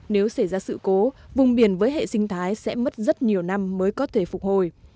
nếu xảy ra sự cố vùng biển với hệ sinh thái sẽ mất rất nhiều năm mới có thể phục hồi